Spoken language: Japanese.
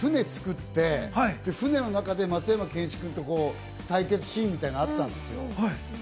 ロケで船作って船の中で松山ケンイチ君と対決シーンみたいなのあったんですよ。